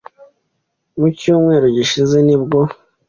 mu cyumweru gishize nibwo .